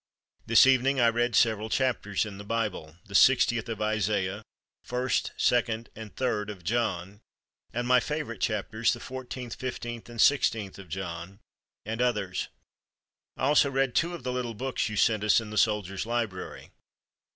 This evening I read several chapters in the Bible, the 60th of Isaiah, 1st, 2d, and 3d of John, and my favorite chapters, the 14th, 15th, and 16th of John, and others. I also read two of the little books you sent us in the Soldier's Library.